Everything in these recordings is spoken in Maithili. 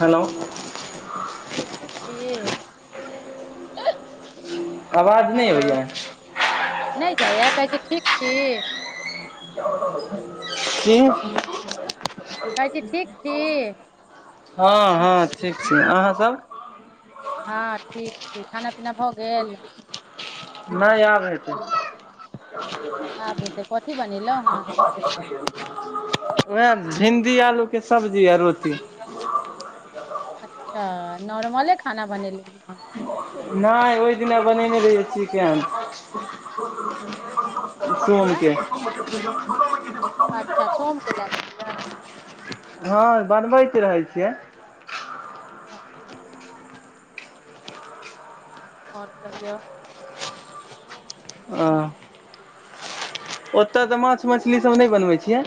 हेलोउ बेचेय छिय आवाज नहि हेलो होइया नहि जाइय कहिकी ठीक छी की कहइछी ठीक छी हँ हँ ठीक छी अहाँसभ से खाना पीना भऽ गेल नहि आब हेतै आब हेतै कथी बनेलहुँ हेँ उएह भिंडी आलू के सब्जी आ रोटी अच्छा नॉर्मले खाना बनेलिखिन है नहि ओहि दिना बनेने रहियै चिकेन कथी आइ सोमके अच्छा सोमके लऽ लेने रहियै हँ बनबैत रहय छियै अच्छा आओर कहियौ आ ओतय तऽ माछ मछलीसभ नहि बनबै छियै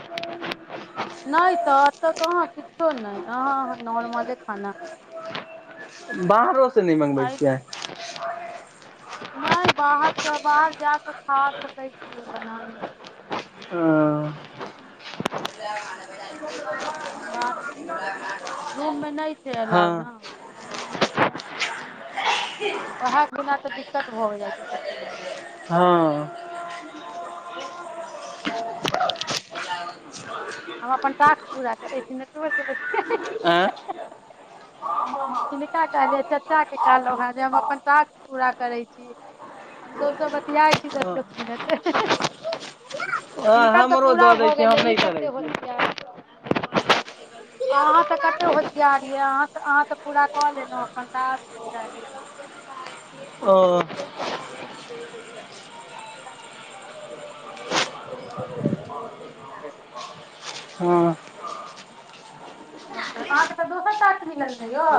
नहि तऽ एत तऽ कहाँ किछो नहि अहाँ अहाँ नॉर्मले खाना बाहरो से नहि मंगबै आइ छियैै नहि बाहरसँ बाहर जा कऽ खा सकै छियै बना नहि सकै ओ छियै मंगा नहि सकै छी रूममे नहि चलि आउ हँ ने रुममे नहि खा सकै छी वैह बिना तऽ दिक्कत भऽ जाइत छै सबसँ ज्यादा हँ हम अपन टास्क पूरा करै छी नेटवर्क आँ हिनका कहलियै चचाक कहलहुँ हन जे हम अपन टास्क पूरा करै छी हमसभसँ बतियाइत छी दस पांच मिनट हँ हिनकर तऽ हमरो पूरा दऽ दै भऽ छै हम गेलै ई नहि कते करै होशियार छियै अहाँ तऽ कते होथियार छियै अहाँ तऽ आहाँ तऽ पूरा कऽ लेलौ एखन तऽ आब की चाही अहाँके ओ अहाँक टास्क तऽ पूरा भऽ गेल न [unintelligible] हँ आओर तऽ अहाँके तऽ दोसर टास्क मिलल न यौ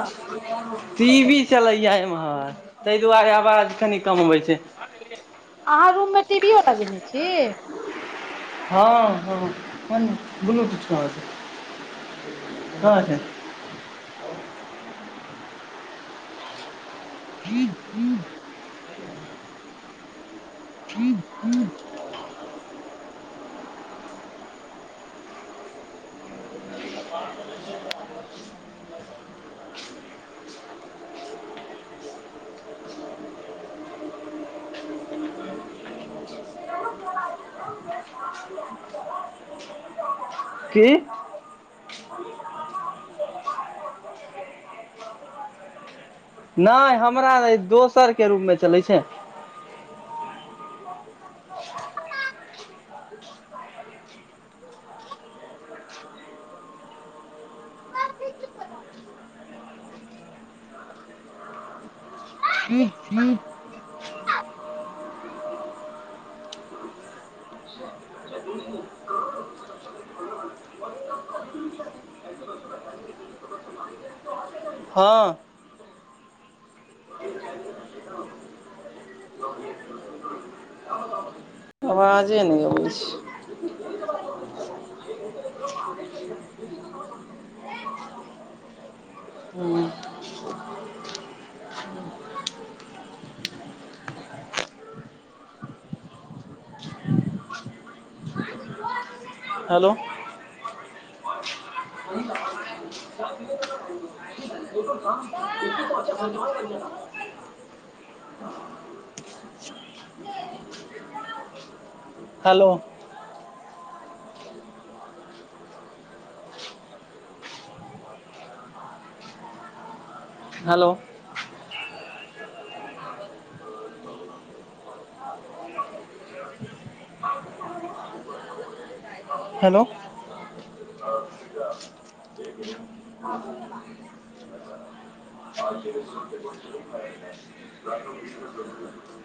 टी वी चलैयै एम्हर तहि दुआरे आवाज कनि कम आबै छै अहाँ रूममे टीवीओ लगेने छी हँ हँ बलूटुथ कहाँ छै कहाँ छै [inaudible] [inaudible] कि भेलै [unintelligible] भैया कनि टीवी बन्द कऽ देबै एखन हमरे सँ बात करथिन कि एखन टीवी लागै छै रूममे नहि हमरा नै दोसरके रूममे चलै छै [unintelligible] [unintelligible] [unintelligible] हँ एना अबेर कऽ केँ एबै तऽ हमर काज केना हेतै यौ अवाजे नहि अबै छै [unintelligible] छै [unintelligible] hello hello hello hello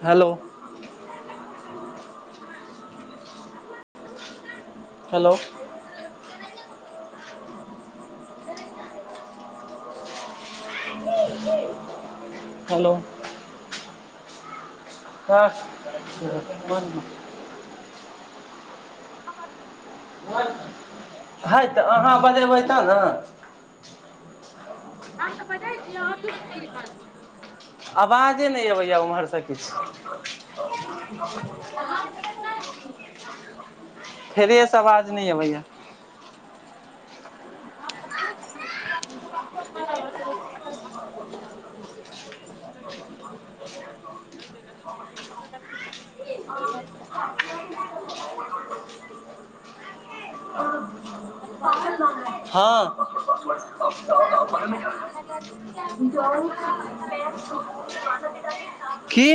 hello hello hello [inaudible] हइ तऽ अहाँ बजयबै तहन न आहां [unintelligible] आवाजे नहि अबै ह उम्हरसँ किछु [inaudible] हम तऽ सुनै छी फेर आवाज नहि अबैया [unintelligible] नटबर हँ [unintelligible] [unintelligible] [inaudible] की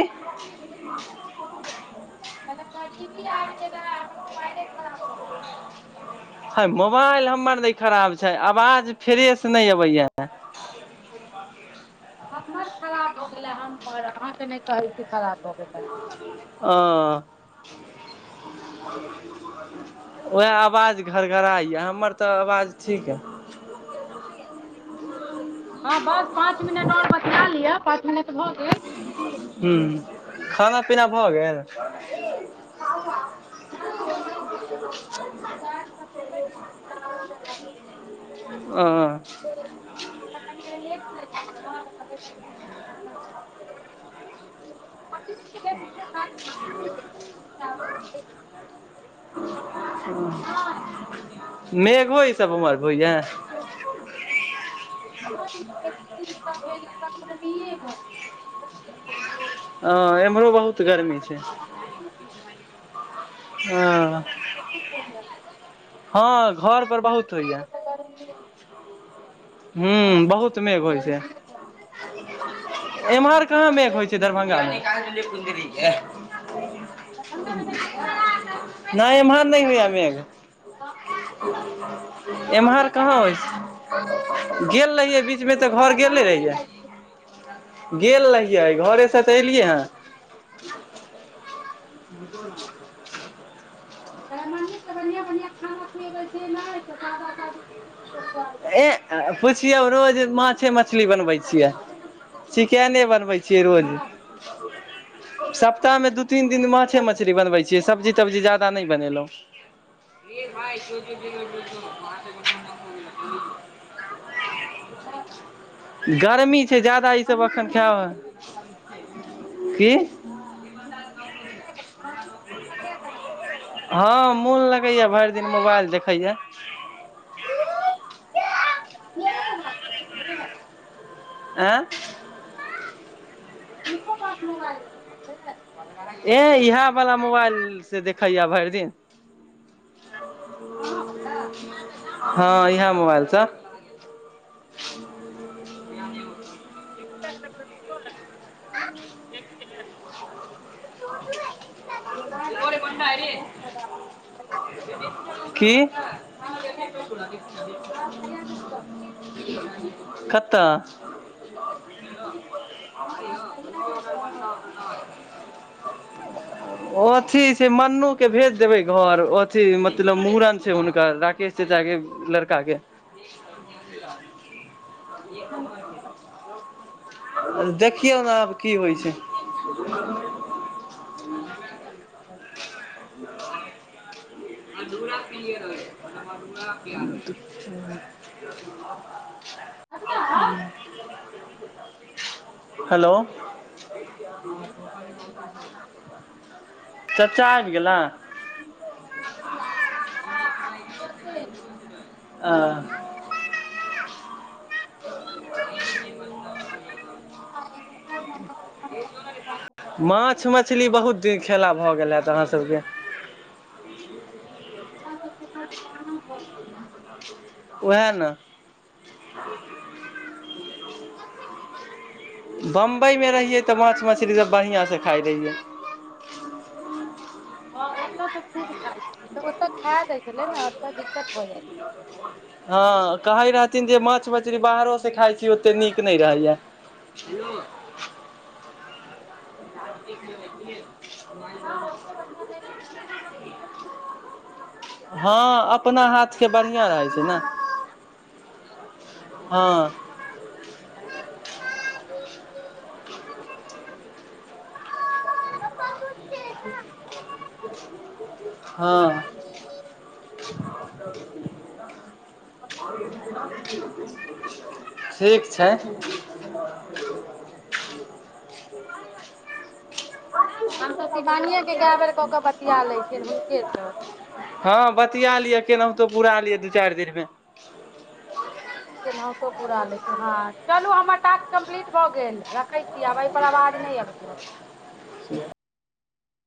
[unintelligible] है मोबाइल हमर नै खराब छैय आवाज फ्रेश नय अबैया हमर खराब भऽ गेलए हमर अहाँके नहि कहै छी खराब भऽ गेल या अ [inaudible] वएह आवाज घड़घराइ यऽ हमर तऽ आवाज ठीक ह हँ बस पाँच मिनट और बतिया लिअ पाँच मिनट भऽ गेल की हुँ खाना पीना भऽ गेल [unintelligible] नहि यौ नहि बने ल [unintelligible] अ [unintelligible] नहि मेघो ई सब उमर भोइया [unintelligible] ह एम्हरो बहुत गर्मी अहाँके छैय तऽ गाममे खूब होइए [unintelligible] [unintelligible] हँ घर पर बहुत होइया गर्मीए हँ हूँ बहुत अहाँके मेघ तऽ होइ छैक गर्मीए बहुत एम्हर आ कहाँ तऽ मेघ एक होइ छै दिन भेलै दरभंगामे दरभंगामे नहि भेलै नहि एम्हर नहि होइया मेघ। गाम गाम एम्हर नहि जाइ कहाँ छियै होइत अहाँ छैक। गेल रहियै बीचमे तऽ घर कहलहुँ गेले गाम नहि रहियै जाइ छियै गेल रहियै घरेसँ तऽ एलियै हँ [inaudible] हमरा मम्मी केँ बढ़िआँ बढ़िआँ खाना खुएबै से नहि सादा खाली ए पूछियौ रोज माछे मछली बनवे छियैक। नहि बनेलौ [unintelligible] ह गर्मी छैक जादा ई सब अन्नू के एखन मोन खाय लगैया ने धोखा मे की। अन्नू के मोन लगैया कि अन्नू के मोन लगैया ने धोखा मे हँ मोन लगैया भरि दिन मोबाइल देखैया। कै मोन ल क किया छै। [unintelligible] आँ [inaudible] पप्पा केँ मोबाइल देखय छैक से। ए इहय वाला मोबाइल से देखैया भरि दिन अहाँ बला हँ इहय मोबाइलसँ [inaudible] की [inaudible] आब कहिया जैब आब कहिया जैब गाम कुत्ता [inaudible] [unintelligible] गाम आब कहिया जैब गाम ओथी छैक मन्नु केँ भेज देबय घर अथी मतलब मुड़न छैक हुनकर राकेश चचा केँ लड़का केँ अहाँ नै जेबै देखियौ ने आब की होइ छैक ह [inaudible] दुरा किलियर होय छै हमर बबुआ के। [unintelligible] ह्म [inaudible] हैेलो चाचा आइब गेलाह। आ [inaudible] ब [inaudible] [inaudible] अपना माछ मछली बहुत दिन खेला भऽ गेल हेत अहाँसभकेँ धान भऽ क देलकयि। [unintelligible] ओह ने बम्बइमे रहियै तऽ माछ मछलरीसभ बढ़िआँसँ खाइत रहियै ओ तऽ खा जाइ छै छले ने ओतऽ दिक्कत भऽ जै छै हँ कहै रहथिन जे माछ मछरी बाहरोसँ खाइ छी ओतेक नीक नहि रहैय हल्दी के ओखने कमाय भ ओते गेलै। बढ़िआँ नहि रहै छै अपना हाथके थोड़ी ने अपना हाथ अपना हँ अपना हाथके बढ़िआँ रहै छै ने हँ हँ हाथ ठीक छै हम तऽ शिवानिएके कए बेर कऽ कऽ बतिया लैत छियनि हुनकेसँ हँ बतिया लियअ केनाहुतो पुरा लियअ दू चारि दिनमे केनहौतो पूरा लै हँ चलू हमर टास्क कम्प्लीट भऽ गेल रखै छी आब एहि पर आवाज नहि अबैया [inaudible]